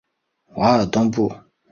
瓦尔东布。